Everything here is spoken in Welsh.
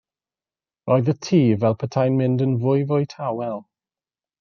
Roedd y tŷ fel petai'n mynd yn fwyfwy tawel.